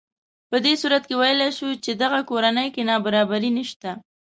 په دې صورت کې ویلی شو چې دغه کورنۍ کې نابرابري نهشته